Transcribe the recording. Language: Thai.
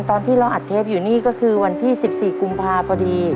ตอนที่เราอัดเทปอยู่นี่ก็คือวันที่๑๔กุมภาพพอดี